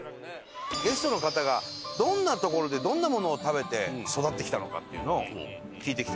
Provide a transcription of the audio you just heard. ゲストの方がどんな所でどんなものを食べて育ってきたのかっていうのを聞いていきたいなと。